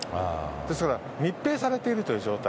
ですから密閉されているという状態。